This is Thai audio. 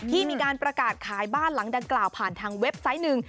มีการประกาศขายบ้านหลังดังกล่าวผ่านทางเว็บไซต์หนึ่ง